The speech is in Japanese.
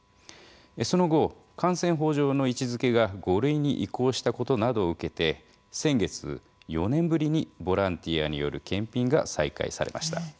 その後感染法上の位置づけが５類に移行したことなどを受けて先月４年ぶりにボランティアによる検品が再開されました。